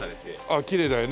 あっきれいだよね。